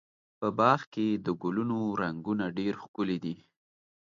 په باغ کې د ګلونو رنګونه ډېر ښکلي دي.